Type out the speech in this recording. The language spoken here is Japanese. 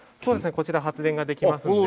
こちら発電ができますので。